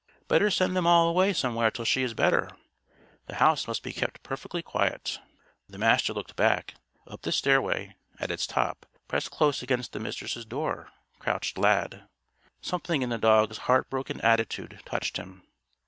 Better send them all away somewhere till she is better. The house must be kept perfectly quiet." The Master looked back, up the stairway; at its top, pressed close against the Mistress' door, crouched Lad. Something in the dog's heartbroken attitude touched him.